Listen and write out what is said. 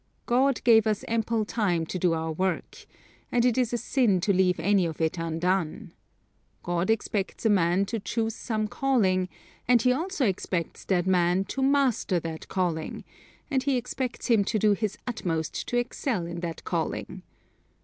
God gives us ample time to do our work, and it is a sin to leave any of it undone. God expects a man to choose some calling, and He also expects that man to master that calling, and He expects him to do his utmost to excel in that calling.